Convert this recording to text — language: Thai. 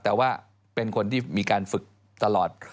แต่ว่าเป็นคนที่มีการฝึกตลอด